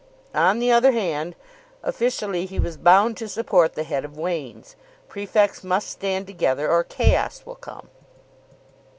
On the other hand, officially he was bound to support the head of Wain's. Prefects must stand together or chaos will come.